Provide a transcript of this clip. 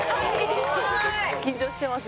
緊張してます